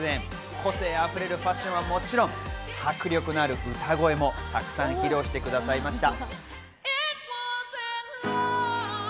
個性溢れるファッションはもちろん、迫力のある歌声もたくさん披露してくださいました。